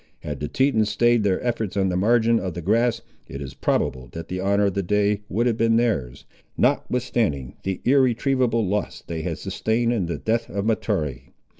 Had the Tetons stayed their efforts on the margin of the grass, it is probable that the honour of the day would have been theirs, notwithstanding the irretrievable loss they had sustained in the death of Mahtoree.